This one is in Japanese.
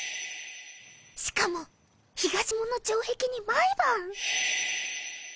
しかも東門の城壁に毎晩。